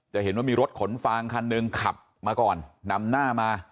จะเห็นว่ามีรถขนฟางคันหนึ่งขับมาก่อนนำหน้ามา